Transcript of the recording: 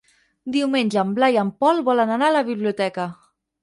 Diumenge en Blai i en Pol volen anar a la biblioteca.